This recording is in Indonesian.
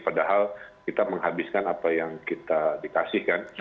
padahal kita menghabiskan apa yang kita dikasihkan